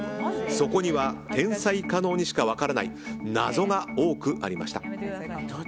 そこには天才・加納にしか分からない謎が多くありました。